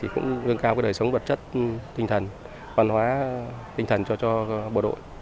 cũng lương cao đời sống vật chất tinh thần văn hóa tinh thần cho bộ đội